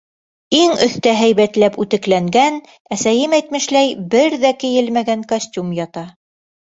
Иң өҫтә һәйбәтләп үтекләнгән, әсәйем әйтмешләй, бер ҙә кейелмәгән костюм ята.